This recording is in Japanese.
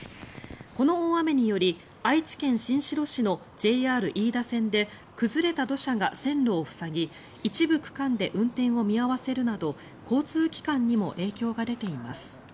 この大雨により愛知県新城市のＪＲ飯田線で崩れた土砂が線路を塞ぎ一部区間で運転を見合わせるなど交通機関にも影響が出ています。